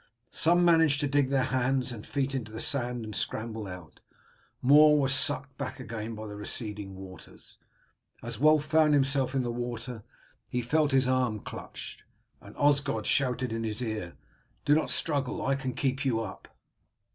Some managed to dig their hands and feet into the sand and to scramble out; more were sucked back again by the receding waters. As Wulf found himself in the water he felt his arm clutched, and Osgod shouted in his ear: "Do not struggle, I can keep you up!"